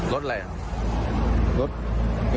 รถอะไร